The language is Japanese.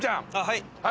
はい。